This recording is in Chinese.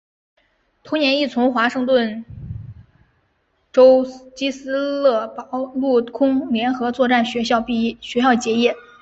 同年亦从华盛顿州基斯勒堡陆空联合作战学校结业。